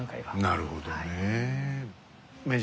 なるほどね。